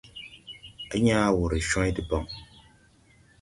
À yãã wɔ ree cwãy debaŋ.